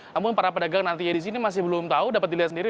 namun para pedagang disini masih belum tahu dapat dilihat sendiri